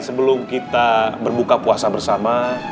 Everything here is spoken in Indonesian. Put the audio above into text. sebelum kita berbuka puasa bersama